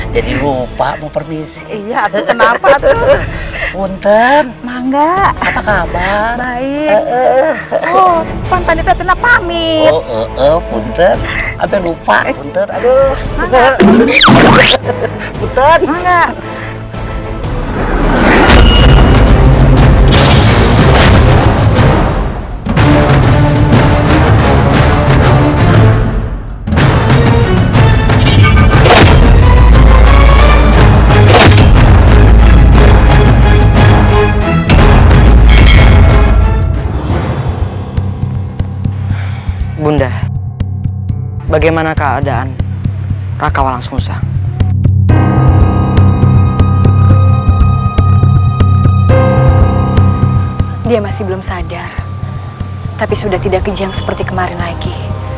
dia masih belum sadar tapi sudah tidak kejang seperti kemarin lagi